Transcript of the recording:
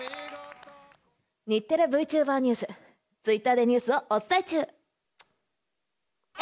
日テレＶチューバーニュース、ツイッターでニュースをお伝え中。